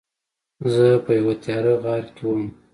زه په یوه تیاره غار کې وم.